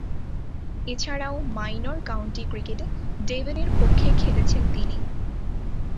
এছাড়াও, minor county ক্রিকেটে ডেভনের পক্ষে খেলেছেন তিনি।